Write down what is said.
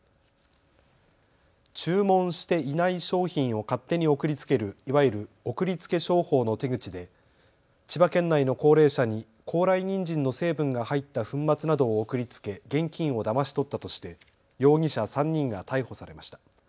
注文していない商品を勝手に送りつけるいわゆる送りつけ商法の手口で千葉県内の高齢者に高麗にんじんの成分が入った粉末などを送りつけ現金をだまし取ったとして容疑者３人が逮捕されました。